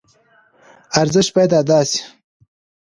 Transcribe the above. ارزش باید ادا شي.